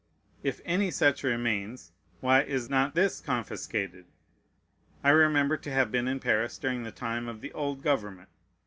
If any such remains, why is not this confiscated? I remember to have been in Paris during the time of the old government.